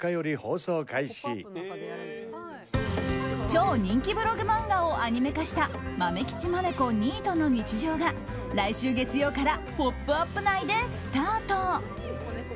超人気ブログ漫画をアニメ化した「まめきちまめこニートの日常」が来週月曜から「ポップＵＰ！」内でスタート。